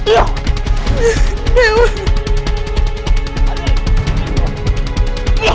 ya ampun ya ampun